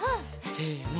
せの。